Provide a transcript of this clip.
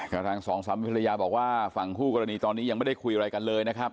ก็ทางสพพบอกว่าฝั่งคู่กรณีตอนนี้ยังไม่ได้คุยอะไรกันเลยนะครับ